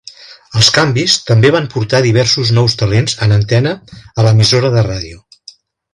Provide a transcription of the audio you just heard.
Els canvis també van portar diversos nous talents en antena a l'emissora de ràdio.